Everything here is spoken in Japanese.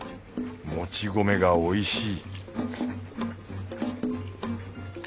もち米がおいしい